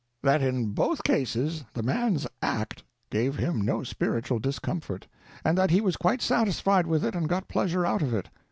That in both cases the man's act gave him no spiritual discomfort, and that he was quite satisfied with it and got pleasure out of it.